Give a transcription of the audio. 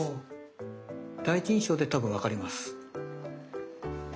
第一印象で多分わかります。